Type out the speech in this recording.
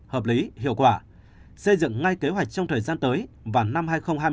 hợp lý hiệu quả xây dựng ngay kế hoạch trong thời gian tới và năm hai nghìn hai mươi